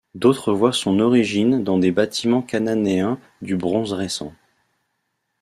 D'autres voient son origine dans des bâtiments cananéens du Bronze récent.